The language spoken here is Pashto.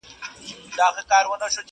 • ښه پر بدوښه هغه دي قاسم یاره,